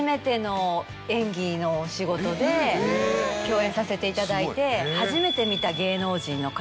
で共演させていただいて。